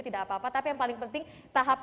tidak apa apa tapi yang paling penting tahap